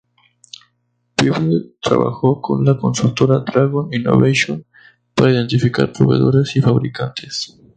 Pebble trabajó con la consultora Dragon Innovation para identificar proveedores y fabricantes.